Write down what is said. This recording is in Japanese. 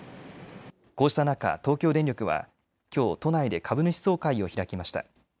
こうした中、東京電力はきょう都内で株主総会を開きました。